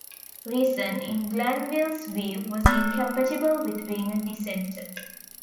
Reason, in Glanvill's view, was incompatible with being a dissenter.